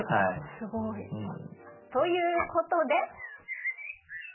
すごい。ということで。